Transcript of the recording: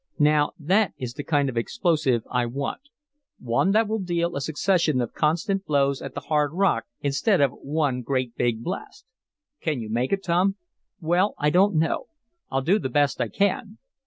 "Now that is the kind of explosive I want one that will deal a succession of constant blows at the hard rock instead of one great big blast." "Can you make it, Tom?" "Well, I don't know. I'll do the best I can."